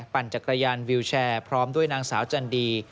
ปั่นจักรยานวิวแชร์พร้อมด้วยนางสาวจันดี